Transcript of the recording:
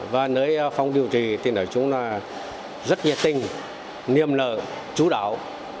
và nơi phòng điều trị thì chúng rất nhiệt tình niềm lợi chú đạo